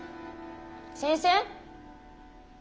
先生？